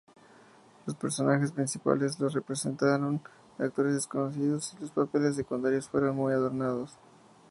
Los personajes principales los representaron actores desconocidos y los papeles secundarios fueron muy adornados.